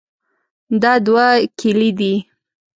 دا دوه کیلې دي.